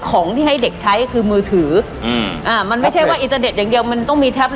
โฮวิทมันจะขึ้นมาหรือมันจะมีโรครอื่นอะไรอีกไหม